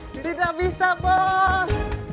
tidak bisa bos